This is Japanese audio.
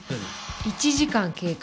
１時間経過。